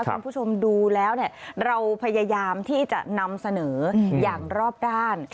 คุณผู้ชมดูแล้วเราพยายามที่จะนำเสนออย่างรอบด้าน